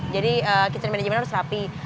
jadi kitchen manajemennya harus rapi